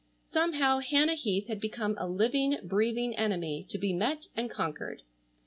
Somehow Hannah Heath had become a living, breathing enemy to be met and conquered.